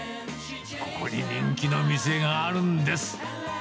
ここに人気の店があるんです。